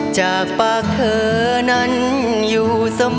จากปากเธอนั้นอยู่เสมอ